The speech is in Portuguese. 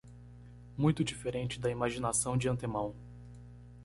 Muito diferente da imaginação de antemão